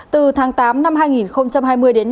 từ tháng tám năm hai nghìn hai mươi